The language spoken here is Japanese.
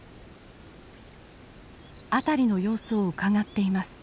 辺りの様子をうかがっています。